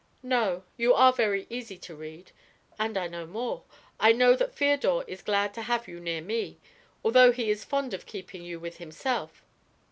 "No; you are very easy to read. And I know more: I know that Feodor is glad to have you near me, although he is fond of keeping you with himself.